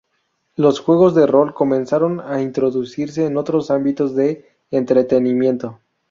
Los juegos de rol comenzaron a introducirse en otros ámbitos de entretenimiento.